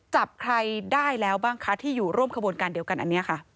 จับใครได้แล้วบ้างคะที่อยู่ร่วมขบวนการเดียวกันอันนี้ค่ะ